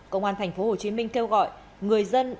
công an tp hcm kêu gọi người dân